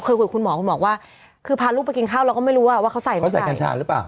คุยคุณหมอคุณหมอว่าคือพาลูกไปกินข้าวเราก็ไม่รู้ว่าเขาใส่กัญชาหรือเปล่า